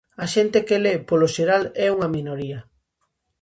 A xente que le, polo xeral, é unha minoría.